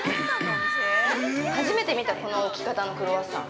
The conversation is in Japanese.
◆初めて見た、この置き方のクロワッサン。